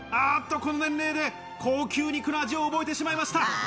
この年齢で高級肉の味を覚えてしまいました。